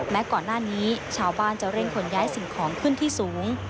ก่อนหน้านี้ชาวบ้านจะเร่งขนย้ายสิ่งของขึ้นที่สูง